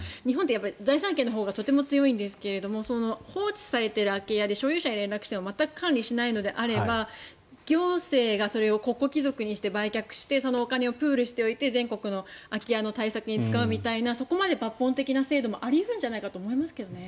財産権のほうが強いんですけど放置されている空き家で所有者に連絡しても全く管理しないのであれば行政がそれを国庫帰属にしてお金をプールしておいて全国の空き家対策に使うという抜本的な対策もあり得るんじゃないかと思いますけどね。